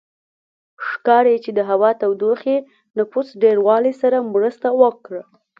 ښکاري چې د هوا تودوخې نفوس ډېروالي سره مرسته وکړه